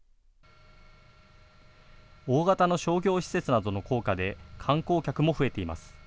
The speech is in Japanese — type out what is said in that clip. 大型の商業施設などの効果で観光客も増えています。